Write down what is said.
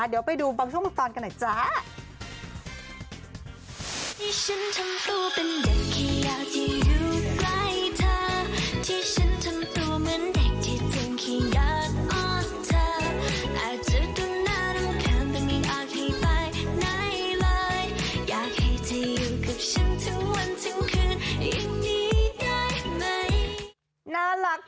เดี๋ยวไปดูบางช่วงบางตอนกันหน่อยจ้า